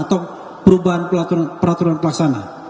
atau perubahan peraturan pelaksana